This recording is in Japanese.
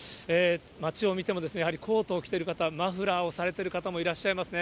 街を見てもやはりコートを着てる方、マフラーをされてる方もいらっしゃいますね。